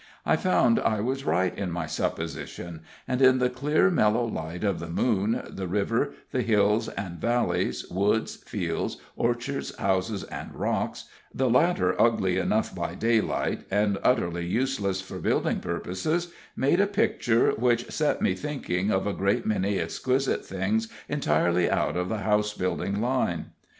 I found I was right in my supposition; and in the clear, mellow light of the moon the river, the hills and valleys, woods, fields, orchards, houses and rocks (the latter ugly enough by daylight, and utterly useless for building purposes) made a picture which set me thinking of a great many exquisite things entirely out of the housebuilding line.